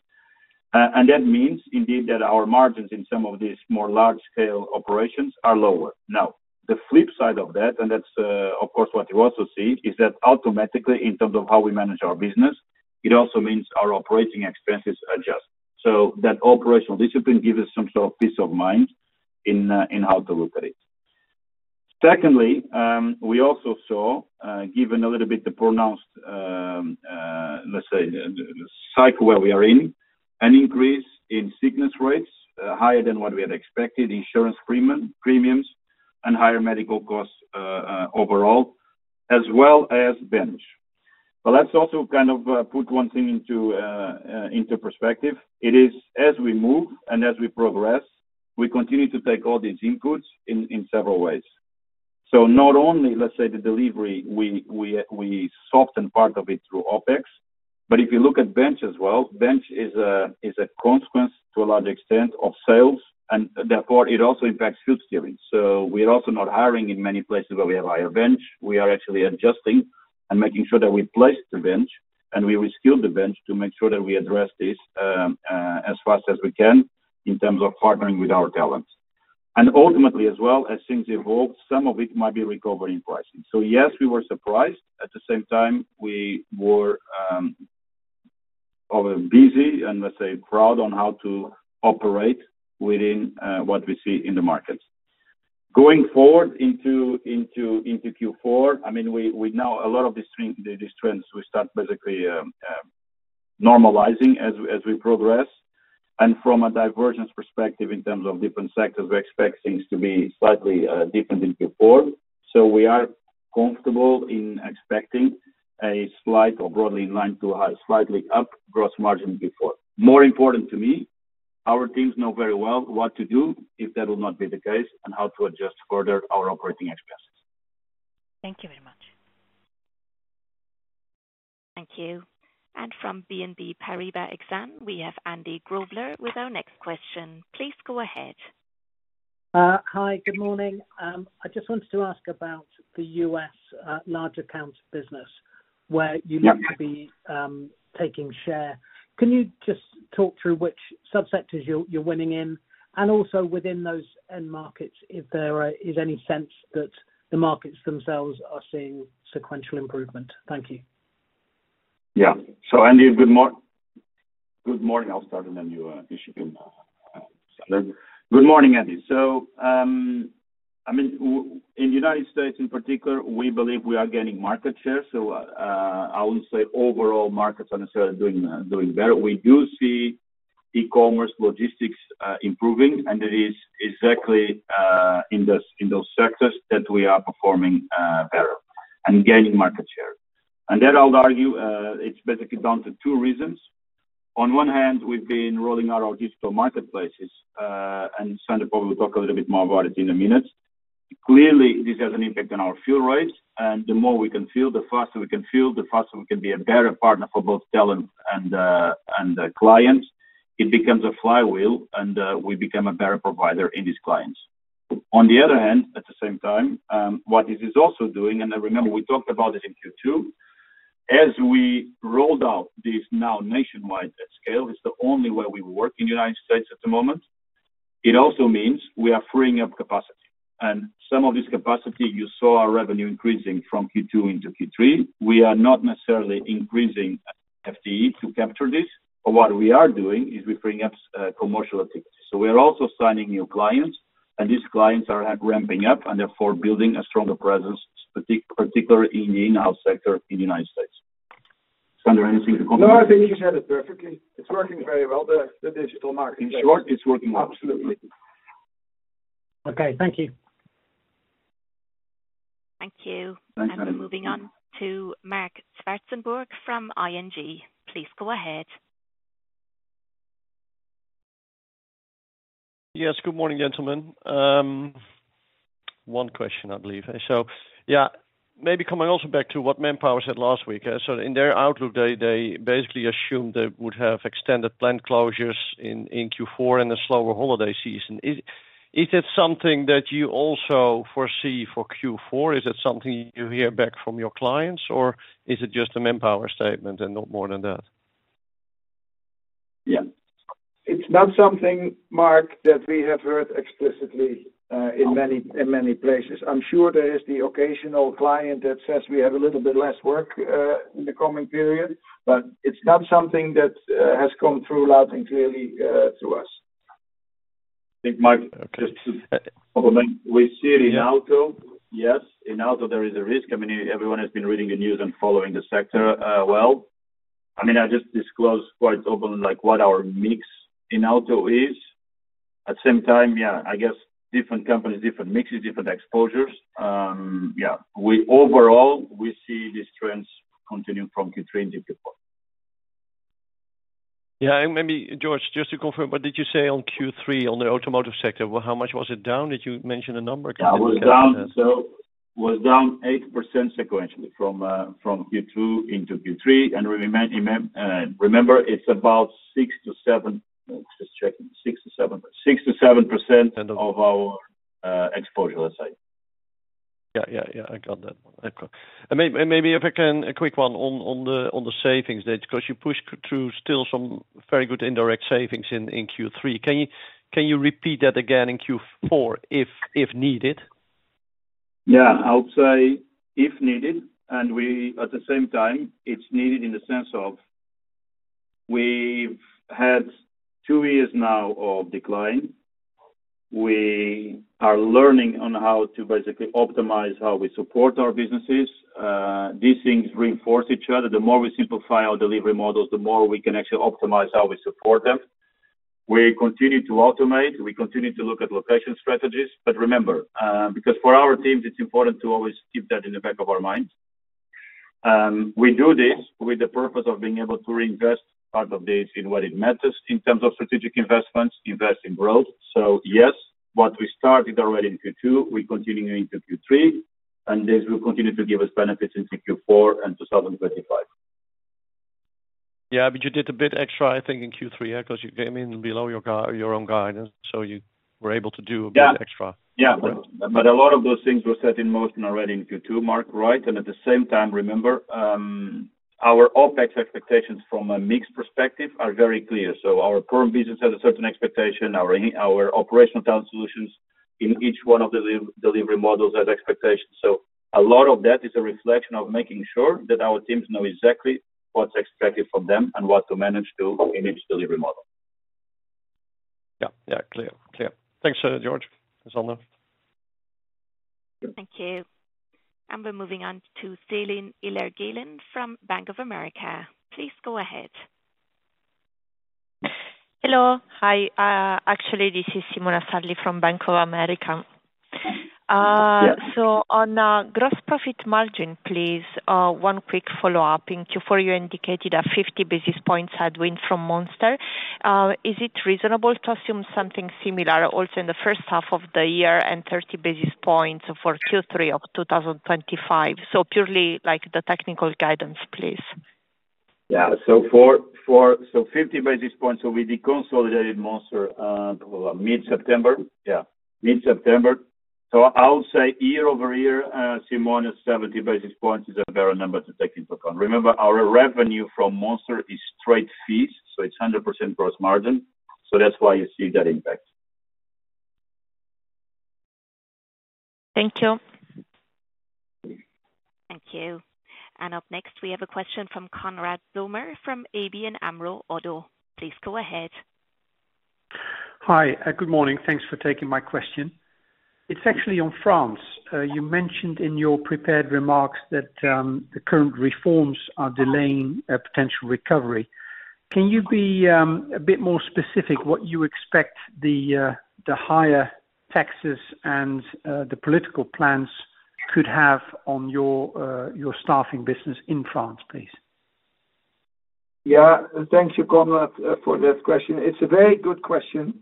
And that means indeed, that our margins in some of these more large scale operations are lower. Now, the flip side of that, and that's, of course, what you also see is that automatically, in terms of how we manage our business, it also means our operating expenses adjust. So that operational discipline gives us some sort of peace of mind in how to look at it. Secondly, we also saw, given a little bit the pronounced, let's say, cycle where we are in, an increase in sickness rates, higher than what we had expected, insurance premiums and higher medical costs, overall, as well as bench. But let's also kind of put one thing into perspective. It is as we move and as we progress, we continue to take all these inputs in, in several ways. So not only let's say the delivery, we soften part of it through OpEx, but if you look at bench as well, bench is a consequence to a large extent of sales, and therefore it also impacts future steering. So we're also not hiring in many places where we have higher bench. We are actually adjusting and making sure that we place the bench, and we reskill the bench to make sure that we address this, as fast as we can in terms of partnering with our talents. And ultimately, as well as things evolve, some of it might be recovery in pricing. So yes, we were surprised. At the same time, we were busy and let's say, proud of how to operate within what we see in the markets. Going forward into Q4, I mean, we know a lot of these strong trends, we start basically normalizing as we progress. And from a divergence perspective, in terms of different sectors, we expect things to be slightly different in Q4. So we are comfortable in expecting a slight or broadly in line to slightly up gross margin in Q4. More important to me. Our teams know very well what to do if that will not be the case and how to adjust further our operating expenses. Thank you very much. Thank you. And from BNP Paribas Exane, we have Andy Grobler with our next question. Please go ahead. Hi, good morning. I just wanted to ask about the U.S., large accounts business, where you seem. Yep To be taking share. Can you just talk through which subsectors you're winning in? And also within those end markets, if there are, is any sense that the markets themselves are seeing sequential improvement? Thank you. Yeah. So Andy, good morning. I'll start, and then you should come start. Good morning, Andy. So, I mean, in the United States in particular, we believe we are gaining market share. So, I wouldn't say overall markets are necessarily doing better. We do see e-commerce, logistics improving, and it is exactly in those sectors that we are performing better and gaining market share. And that I'll argue, it's basically down to two reasons. On one hand, we've been rolling out our digital marketplaces, and Sander probably will talk a little bit more about it in a minute. Clearly, this has an impact on our fill rates, and the more we can fill, the faster we can fill, the faster we can be a better partner for both talent and clients. It becomes a flywheel, and we become a better provider to these clients. On the other hand, at the same time, what this is also doing, and I remember we talked about it in Q2, as we rolled out this now nationwide at scale, it's the only way we work in the United States at the moment. It also means we are freeing up capacity. Some of this capacity, you saw our revenue increasing from Q2 into Q3. We are not necessarily increasing FTE to capture this, but what we are doing is we're freeing up commercial activities. So we are also signing new clients, and these clients are at ramping up and therefore building a stronger presence, particularly in the Inhouse sector in the United States. Sander, anything to comment? No, I think you said it perfectly. It's working very well, the digital marketplace. In short, it's working well. Absolutely. Okay. Thank you. Thank you. Thanks, Andy. We're moving on to Marc Zwartsenburg from ING. Please go ahead. Yes, good morning, gentlemen. One question, I believe. So, yeah, maybe coming also back to what Manpower said last week. So in their outlook, they basically assumed they would have extended plant closures in Q4 and a slower holiday season. Is it something that you also foresee for Q4? Is it something you hear back from your clients, or is it just a Manpower statement and not more than that? Yeah. It's not something, Marc, that we have heard explicitly, in many. Okay In many places. I'm sure there is the occasional client that says we have a little bit less work, in the coming period, but it's not something that, has come through loud and clearly, to us. I think, Marc, just to complement. We see in auto, yes, in auto, there is a risk. I mean, everyone has been reading the news and following the sector, well. I mean, I just disclosed quite openly, like, what our mix in auto is. At the same time, yeah, I guess different companies, different mixes, different exposures. Yeah, we overall, we see these trends continuing from Q3 into Q4. Yeah, and maybe, Jorge, just to confirm, what did you say on Q3, on the automotive sector? Well, how much was it down? Did you mention a number? I can't. Yeah, it was down, so was down 8% sequentially from, from Q2 into Q3. And remember, it's about 6%-7%. Let's just check. 6%-7%. Okay. Of our exposure, let's say. Yeah, yeah, yeah, I got that. Okay. And maybe if I can, a quick one on the savings there, 'cause you pushed through still some very good indirect savings in Q3. Can you repeat that again in Q4, if needed? Yeah, I would say if needed. At the same time, it's needed in the sense of we've had two years now of decline. We are learning on how to basically optimize how we support our businesses. These things reinforce each other. The more we simplify our delivery models, the more we can actually optimize how we support them. We continue to automate, we continue to look at location strategies. But remember, because for our teams, it's important to always keep that in the back of our minds. We do this with the purpose of being able to reinvest part of this in what it matters in terms of strategic investments, invest in growth. So yes, what we started already in Q2, we're continuing into Q3, and this will continue to give us benefits into Q4 and 2025. Yeah, but you did a bit extra, I think, in Q3, 'cause you came in below your guide- your own guidance, so you were able to do. Yeah. A bit extra. Yeah. Right. But a lot of those things were set in motion already in Q2, Marc, right? And at the same time, remember, our OpEx expectations from a mix perspective are very clear. So our current business has a certain expectation. Our Operational Talent Solutions in each one of the delivery models has expectations. So a lot of that is a reflection of making sure that our teams know exactly what's expected from them and what to manage to in each delivery model. Yeah, yeah, clear. Clear. Thanks, Jorge and Sander. Thank you, and we're moving on to Selin Ilerigkelen from Bank of America. Please go ahead. Hello. Hi, actually, this is Simona Sarli from Bank of America. So on gross profit margin, please, one quick follow-up. In Q4, you indicated a 50 basis points headwind from Monster. Is it reasonable to assume something similar also in the first half of the year and 30 basis points for Q3 of 2025? So purely like the technical guidance, please. Yeah. So for 50 basis points, so we deconsolidated Monster mid-September. Yeah, mid-September. So I would say year-over-year, Simona, 70 basis points is a better number to take into account. Remember, our revenue from Monster is straight fees, so it's 100% gross margin, so that's why you see that impact. Thank you. Thank you. And up next, we have a question from Konrad Zomer, from ABN AMRO ODDO. Please go ahead. Hi, good morning. Thanks for taking my question. It's actually on France. You mentioned in your prepared remarks that the current reforms are delaying a potential recovery. Can you be a bit more specific what you expect the higher taxes and the political plans could have on your staffing business in France, please? Yeah, thank you, Konrad, for that question. It's a very good question,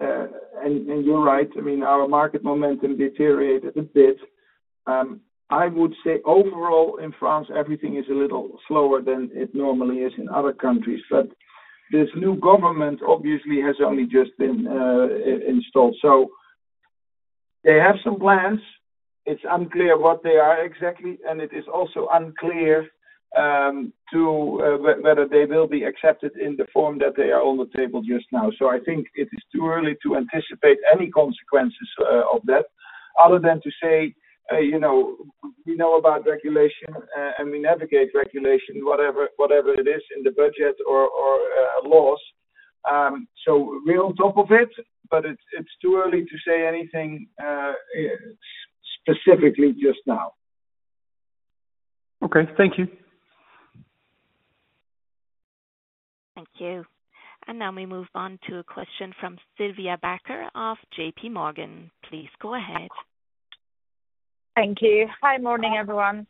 and you're right. I mean, our market momentum deteriorated a bit. I would say overall, in France, everything is a little slower than it normally is in other countries, but this new government, obviously, has only just been installed, so they have some plans. It's unclear what they are exactly, and it is also unclear to whether they will be accepted in the form that they are on the table just now, so I think it is too early to anticipate any consequences of that, other than to say, you know, we know about regulation, and we navigate regulation, whatever it is, in the budget or laws. So we're on top of it, but it's too early to say anything specifically just now. Okay, thank you. Thank you. And now we move on to a question from Sylvia Barker of JPMorgan. Please go ahead. Thank you. Hi, morning, everyone.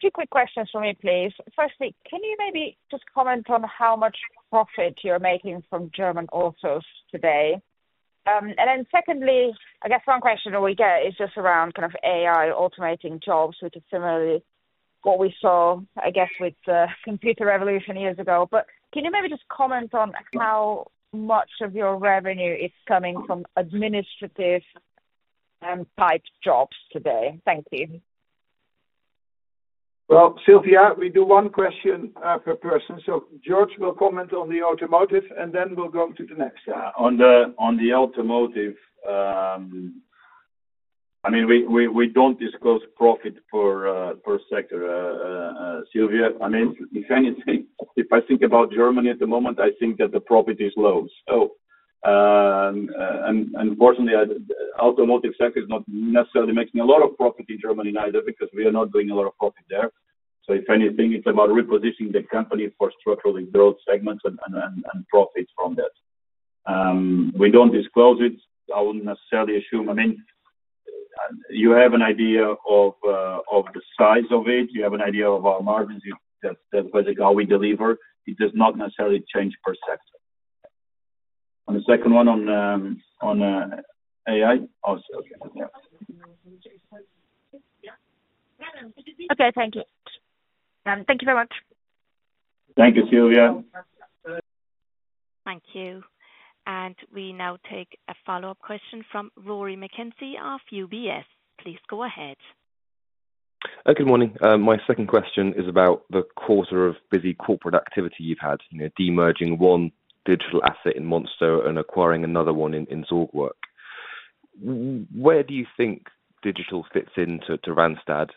Two quick questions for me, please. Firstly, can you maybe just comment on how much profit you're making from German autos today? And then secondly, I guess one question we get is just around kind of AI automating jobs, which is similarly what we saw, I guess, with the computer revolution years ago. But can you maybe just comment on how much of your revenue is coming from administrative type jobs today? Thank you. Sylvia, we do one question per person, so Jorge will comment on the automotive, and then we'll go to the next. On the automotive, I mean, we don't disclose profit for per sector, Sylvia. I mean, if anything, if I think about Germany at the moment, I think that the profit is low. So, and unfortunately, automotive sector is not necessarily making a lot of profit in Germany either, because we are not doing a lot of profit there. So if anything, it's about repositioning the company for structural growth segments and profits from that. We don't disclose it. I wouldn't necessarily assume. I mean, you have an idea of the size of it. You have an idea of our margins, that's basically how we deliver. It does not necessarily change per se. On the second one, on the AI? Oh, Sylvia, yeah. Okay, thank you. Thank you very much. Thank you, Sylvia. Thank you. And we now take a follow-up question from Rory McKenzie of UBS. Please go ahead. Good morning. My second question is about the quarter of busy corporate activity you've had, you know, demerging one digital asset in Monster and acquiring another one in Zorgwerk. Where do you think digital fits into Randstad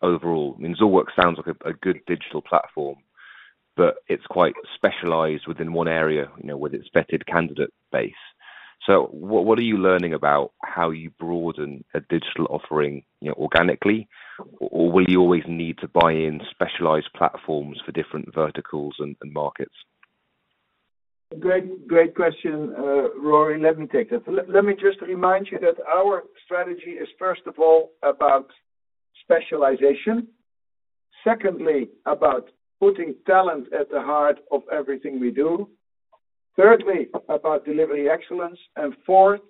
overall? I mean, Zorgwerk sounds like a good digital platform, but it's quite specialized within one area, you know, with its vetted candidate base. So what are you learning about how you broaden a digital offering, you know, organically, or will you always need to buy in specialized platforms for different verticals and markets? Great, great question, Rory. Let me take that. Let me just remind you that our strategy is, first of all, about specialization. Secondly, about putting talent at the heart of everything we do. Thirdly, about delivering excellence. And fourth,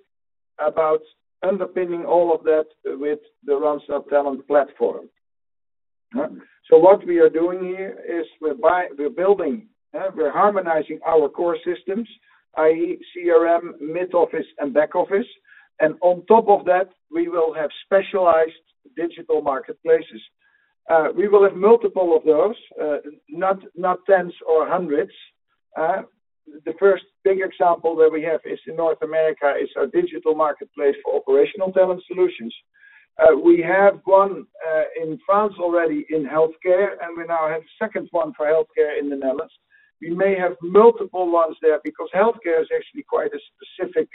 about underpinning all of that with the Randstad Talent Platform. So what we are doing here is we're building, we're harmonizing our core systems, i.e., CRM, mid-office, and back office. And on top of that, we will have specialized digital marketplaces. We will have multiple of those, not tens or hundreds. The first big example that we have is in North America, is a digital marketplace for Operational Talent Solutions. We have one in France already in healthcare, and we now have a second one for healthcare in the Netherlands. We may have multiple ones there, because healthcare is actually quite a specific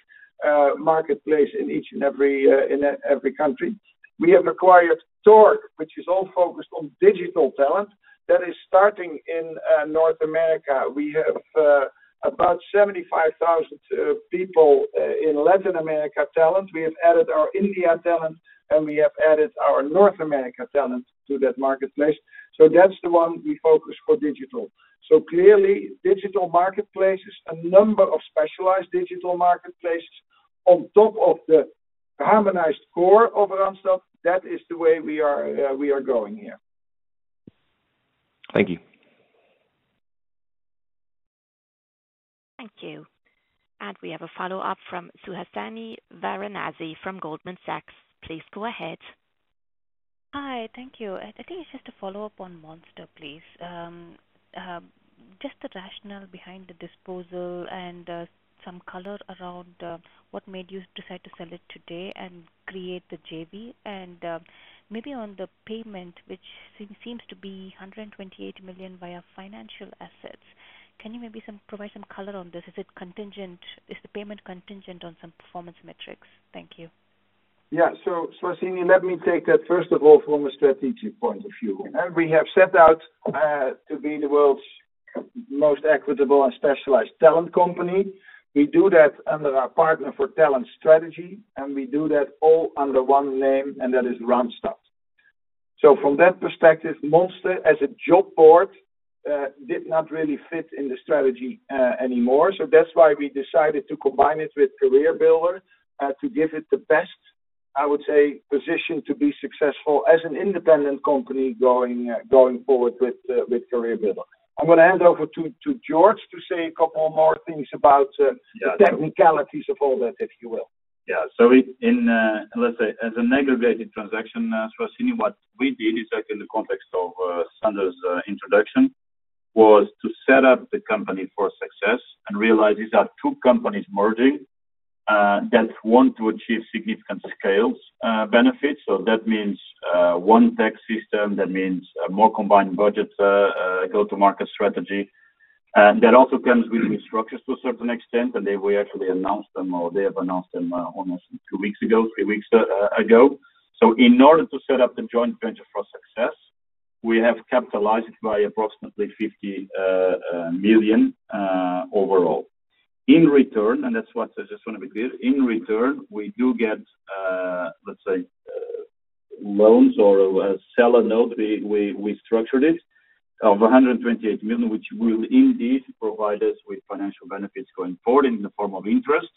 marketplace in each and every, in every country. We have acquired Zorgwerk, which is all focused on digital talent. That is starting in North America. We have about 75,000 people in Latin America talent. We have added our India talent, and we have added our North America talent to that marketplace. So that's the one we focus for digital. So clearly, digital marketplace is a number of specialized digital marketplaces on top of the harmonized core of Randstad. That is the way we are going here. Thank you. Thank you, and we have a follow-up from Suhasini Varanasi from Goldman Sachs. Please go ahead. Hi, thank you. I think it's just a follow-up on Monster, please. Just the rationale behind the disposal and, some color around, what made you decide to sell it today and create the JV? Maybe on the payment, which seems to be 128 million via financial assets. Can you maybe provide some color on this? Is it contingent. Is the payment contingent on some performance metrics? Thank you. Yeah. So, Suhasini, let me take that, first of all, from a strategic point of view. And we have set out to be the world's most equitable and specialized talent company. We do that under our Partner for Talent strategy, and we do that all under one name, and that is Randstad. So from that perspective, Monster as a job board did not really fit in the strategy anymore. So that's why we decided to combine it with CareerBuilder to give it the best, I would say, position to be successful as an independent company going forward with CareerBuilder. I'm gonna hand over to Jorge to say a couple more things about. Yeah. The technicalities of all that, if you will. Yeah. So in, let's say, as an aggregated transaction, Suhasini, what we did is like in the context of Sander's introduction, was to set up the company for success and realize these are two companies merging that want to achieve significant scales benefits. So that means one tax system, that means more combined budgets go-to-market strategy. And that also comes with restructures to a certain extent, and they, we actually announced them, or they have announced them almost two weeks ago, three weeks ago. So in order to set up the joint venture for success, we have capitalized it by approximately 50 million overall. In return, and that's what I just want to be clear, in return, we do get, let's say, loans or a seller note. We structured it as 128 million, which will indeed provide us with financial benefits going forward in the form of interest,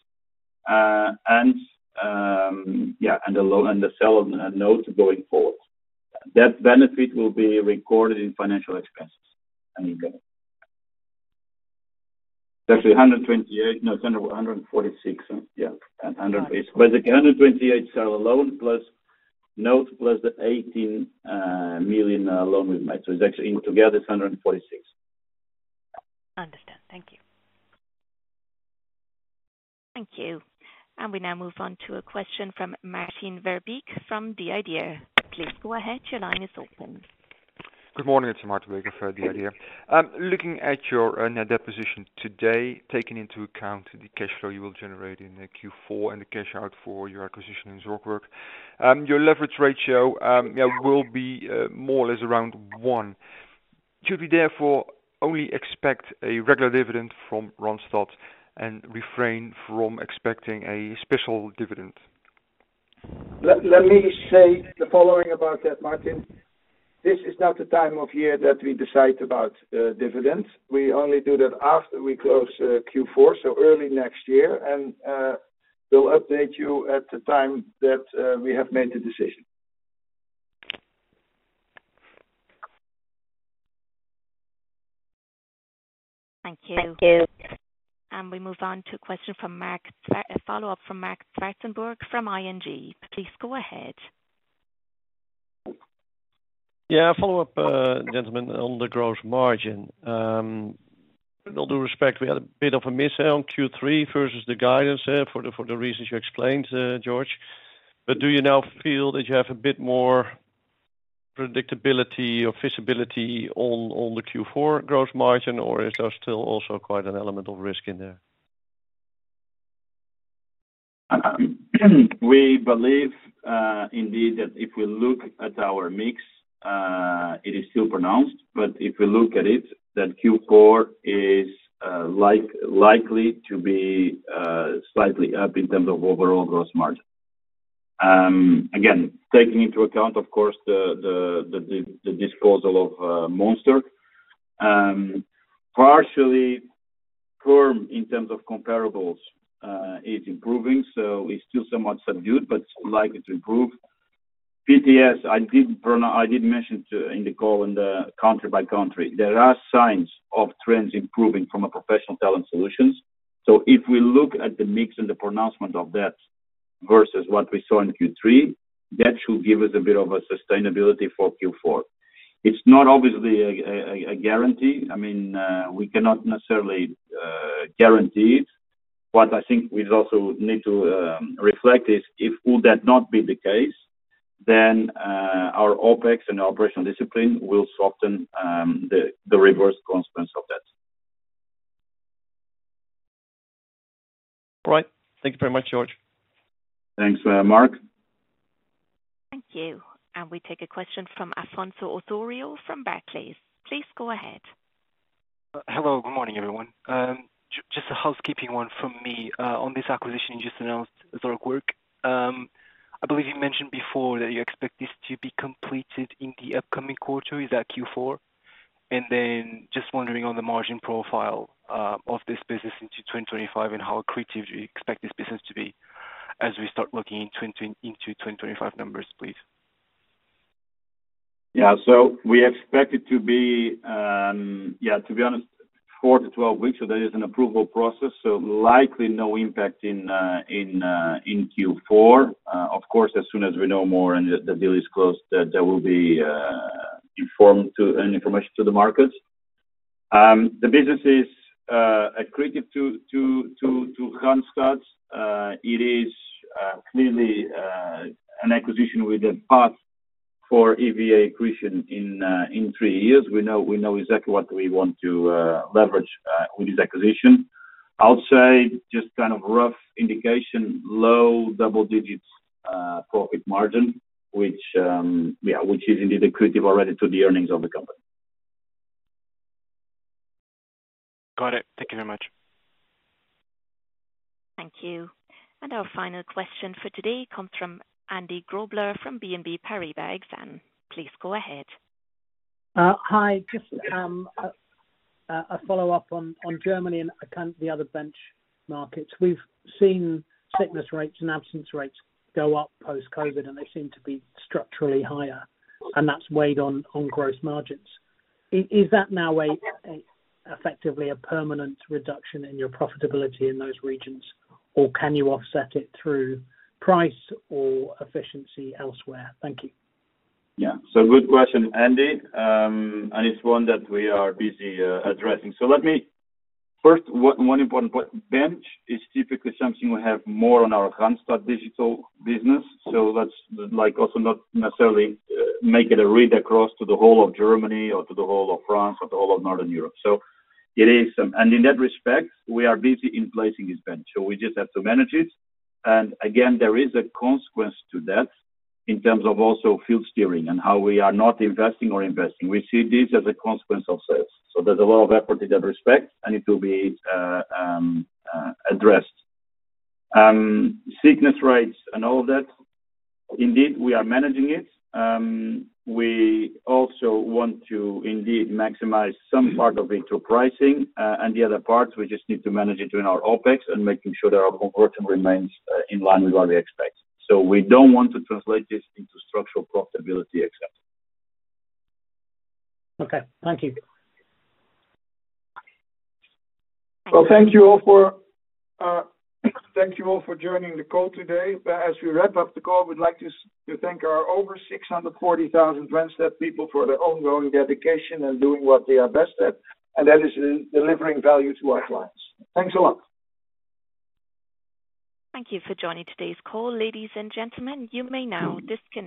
and the loan and the seller notes going forward. That benefit will be recorded in financial expenses. Again, it's actually 128 million, no, it's 146 million, and 100 basis points. But the 128 million seller loan plus note plus the 18 million loan we made. So it's actually in total, it's 146 million. Understand. Thank you. Thank you. And we now move on to a question from Maarten Verbeek from the IDEA!. Please go ahead, your line is open. Good morning, it's Maarten Verbeek of the IDEA!. Looking at your net debt position today, taking into account the cash flow you will generate in the Q4 and the cash outlay for your acquisition in Zorgwerk. Your leverage ratio, yeah, will be more or less around one. Should we therefore only expect a regular dividend from Randstad and refrain from expecting a special dividend? Let me say the following about that, Maarten: This is not the time of year that we decide about dividends. We only do that after we close Q4, so early next year. And we'll update you at the time that we have made the decision. Thank you. We move on to a question from Marc. A follow-up from Marc Zwartsenburg from ING. Please go ahead. Yeah, a follow-up, gentlemen, on the gross margin. With all due respect, we had a bit of a miss on Q3 versus the guidance, for the reasons you explained, Jorge. But do you now feel that you have a bit more predictability or visibility on the Q4 gross margin, or is there still also quite an element of risk in there? We believe, indeed, that if we look at our mix, it is still prominent, but if we look at it, then Q4 is likely to be slightly up in terms of overall gross margin. Again, taking into account, of course, the disposal of Monster, partially offsetting in terms of comparables, is improving, so it's still somewhat subdued, but likely to improve. PTS, I did mention, too, in the call, country by country, there are signs of trends improving in Professional Talent Solutions. So if we look at the mix and the prominence of that versus what we saw in Q3, that should give us a bit of a sustainability for Q4. It's not, obviously, a guarantee. I mean, we cannot necessarily guarantee it. What I think we also need to reflect is, if would that not be the case? Then, our OpEx and operational discipline will soften, the reverse consequence of that. All right. Thank you very much, Jorge. Thanks, Marc. Thank you. We take a question from Afonso Osorio from Barclays. Please go ahead. Hello, good morning, everyone. Just a housekeeping one from me, on this acquisition you just announced, Zorgwerk. I believe you mentioned before that you expect this to be completed in the upcoming quarter. Is that Q4? And then just wondering on the margin profile, of this business into 2025, and how accretive do you expect this business to be as we start looking into 2025 numbers, please? Yeah. So we expect it to be, yeah, to be honest, 4 to 12 weeks, so there is an approval process, so likely no impact in Q4. Of course, as soon as we know more and the deal is closed, there will be information to the markets. The business is accretive to Randstad. It is clearly an acquisition with a path for EVA accretion in three years. We know exactly what we want to leverage with this acquisition. I'll say just kind of rough indication, low double digits profit margin, which, yeah, which is indeed accretive already to the earnings of the company. Got it. Thank you very much. Thank you. And our final question for today comes from Andy Grobler from BNP Paribas Exane. Please go ahead. Hi, just a follow-up on Germany and kind of the other bench markets. We've seen sickness rates and absence rates go up post-COVID, and they seem to be structurally higher, and that's weighed on gross margins. Is that now effectively a permanent reduction in your profitability in those regions, or can you offset it through price or efficiency elsewhere? Thank you. Yeah. So good question, Andy, and it's one that we are busy addressing. So let me. First, one important point, bench is typically something we have more on our Randstad Digital business, so let's, like, also not necessarily make it a read across to the whole of Germany or to the whole of France or the whole of Northern Europe. So it is. And in that respect, we are busy in placing this bench, so we just have to manage it. And again, there is a consequence to that in terms of also field steering and how we are not investing or investing. We see this as a consequence of sales. So there's a lot of effort in that respect, and it will be addressed. Sickness rates and all that, indeed, we are managing it. We also want to indeed maximize some part of it through pricing, and the other parts, we just need to manage it in our OpEx and making sure that our conversion remains in line with what we expect. So we don't want to translate this into structural profitability except. Okay, thank you. Thank you all for joining the call today. As we wrap up the call, we'd like to thank our over 640,000 Randstad people for their ongoing dedication in doing what they are best at, and that is delivering value to our clients. Thanks a lot. Thank you for joining today's call, ladies and gentlemen. You may now disconnect.